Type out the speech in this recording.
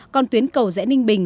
còn tuyến cầu rẽ ninh bình